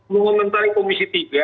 mengomentari komisi tiga